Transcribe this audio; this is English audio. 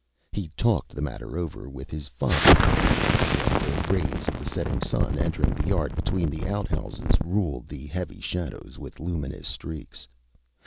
Â He talked the matter over with his father one evening when the rays of the setting sun entering the yard between the outhouses ruled the heavy shadows with luminous streaks.